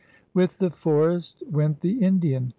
With the forest went the Indian.